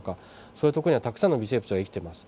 そういうとこにはたくさんの微生物が生きてます。